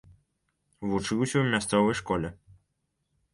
Вучыўся ў мясцовай школе.